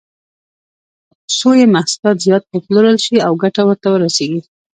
څو یې محصولات زیات وپلورل شي او ګټه ورته ورسېږي.